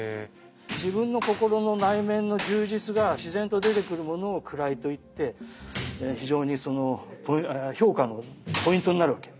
自分の心の内面の充実が自然と出てくるものを位と言って非常にその評価のポイントになるわけ。